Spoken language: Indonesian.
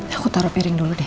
aku taruh piring dulu deh